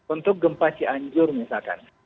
untuk gempa cianjur misalkan